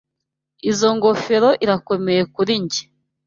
Izoi ngofero irakomeye kuri njye.